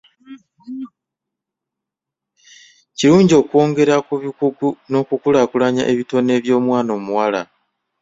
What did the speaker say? Kirungi okwongera ku bukugu n'okukulaakulanya ebitone by'omwana omuwala.